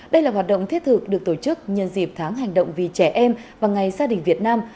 đây là hoạt động thiết thực được tổ chức nhân dịp tháng hành động vì trẻ em và ngày gia đình việt nam